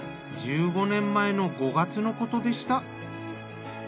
１５年前の５月のことでした。